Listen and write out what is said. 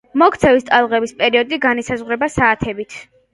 მოქცევის ტალღების პერიოდი განისაზღვრება საათებით.